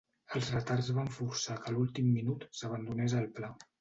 Els retards van forçar que a l'últim minut s'abandonés el pla.